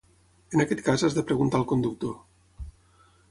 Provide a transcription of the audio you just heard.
En aquest cas has de preguntar al conductor.